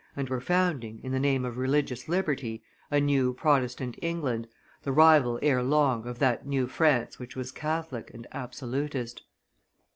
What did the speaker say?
and were founding, in the name of religious liberty, a new Protestant England, the rival ere long of that New France which was Catholic and absolutist.